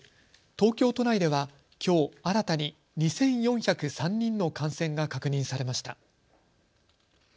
東京都内ではきょう新たに２４０３人の感染が確認されました。